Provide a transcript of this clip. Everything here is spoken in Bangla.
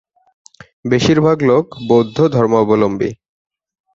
বেশিরভাগ লোক বৌদ্ধ ধর্মাবলম্বী।